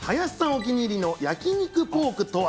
お気に入りの焼肉ポークとは。